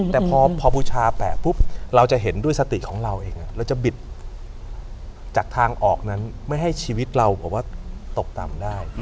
แต่พอบูชาแปะปุ๊บเราจะเห็นด้วยสติของเราเองเราจะบิดจากทางออกนั้นไม่ให้ชีวิตเราแบบว่าตกต่ำได้